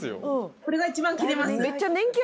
これが一番切れます